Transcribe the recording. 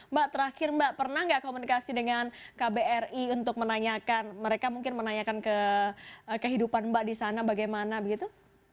mbak terakhir mbak pernah nggak komunikasi dengan kbri untuk menanyakan mereka mungkin menanyakan kehidupan mbak di sana bagaimana begitu